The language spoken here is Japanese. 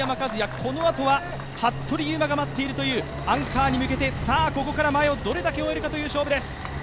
このあとは服部勇馬が待っているという、アンカーに向けてここから前をどれだけ追えるかという勝負です。